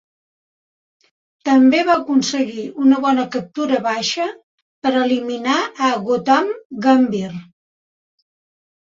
També va aconseguir una bona captura baixa per eliminar a Gautam Gambhir.